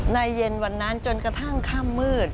ในเย็นวันนั้นจนกระทั่งข้ามมืด